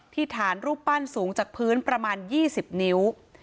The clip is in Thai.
ที่ฐานรูปปั้นสูงจากพื้นประมาณยี่สิบนิ้ว